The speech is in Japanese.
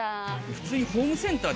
普通に。